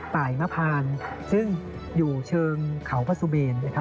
ตายมะพานซึ่งอยู่เชิงเขาพระสุเมนนะครับ